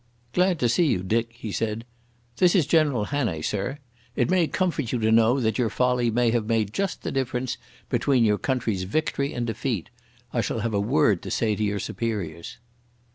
"Glad to see you, Dick," he said. "This is General Hannay, sir. It may comfort you to know that your folly may have made just the difference between your country's victory and defeat. I shall have a word to say to your superiors."